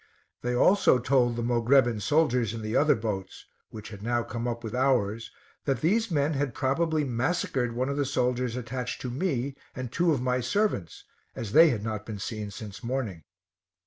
They also told the Mogrebin soldiers in the other boats, which had now come up with ours, that these men had probably massacred one of the soldiers attached to me and two of my servants, as they had not been seen since morning.